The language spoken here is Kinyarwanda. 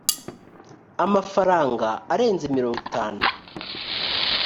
amafaranga arenze mirongo itanu